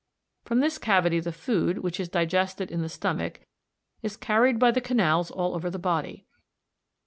From this cavity the food, which is digested in the stomach, is carried by the canals all over the body.